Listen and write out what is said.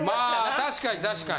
確かに確かに。